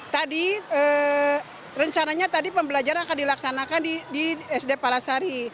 tadi rencananya tadi pembelajaran akan dilaksanakan di sd palasari